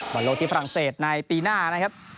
โลกที่ฝรั่งเศสในปีหน้านะครับ